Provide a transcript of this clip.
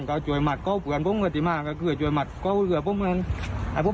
คณะที่ทางตำรวจสภรรยรัฐภูมินะครับ